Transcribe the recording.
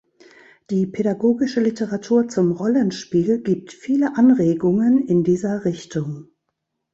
Die pädagogische Literatur zum Rollenspiel gibt viele Anregungen in dieser Richtung.